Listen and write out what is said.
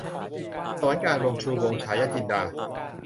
สวรรค์กลางดง - ชูวงศ์ ฉายะจินดา